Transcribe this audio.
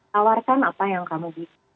tawarkan apa yang kamu butuh